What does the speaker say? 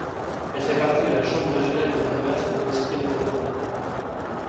Elle fait partie de la Chambre régionale de commerce et d'industrie de Bretagne.